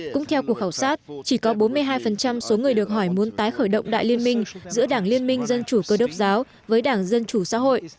cũng theo cuộc khảo sát chỉ có bốn mươi hai số người được hỏi muốn tái khởi động đại liên minh giữa đảng liên minh dân chủ cơ đốc giáo với đảng dân chủ xã hội